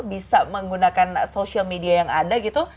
bisa menggunakan social media yang ada gitu